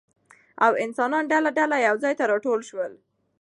او انسانان ډله ډله يو ځاى ته راټول شول